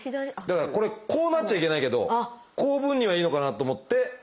だからこれこうなっちゃいけないけどこういう分にはいいのかなと思って。